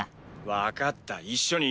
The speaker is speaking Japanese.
「分かった一緒に行くよ」